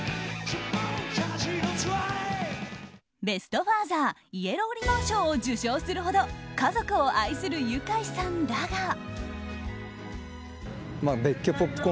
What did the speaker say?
ベスト・ファーザーイエローリボン賞を受賞するほど家族を愛するユカイさんだが。